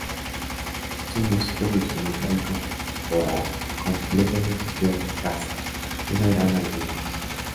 Su música evolucionó para incorporar complejas estructuras de "jazz" y una gran habilidad musical.